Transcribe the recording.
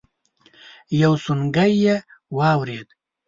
يو سونګی يې واورېد.